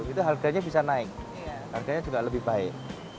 itu harganya bisa naik harganya juga lebih baik